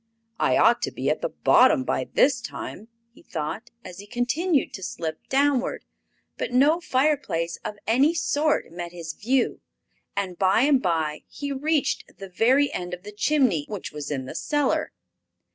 "I ought to be at the bottom by this time," he thought, as he continued to slip downward; but no fireplace of any sort met his view, and by and by he reached the very end of the chimney, which was in the cellar.